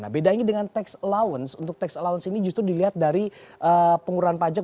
bedanya dengan tax allowance untuk tax allowance ini justru dilihat dari pengurahan pajak